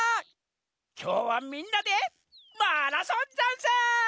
きょうはみんなでマラソンざんす！